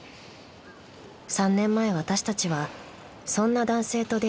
［３年前私たちはそんな男性と出会いました］